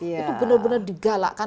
itu benar benar digalakkan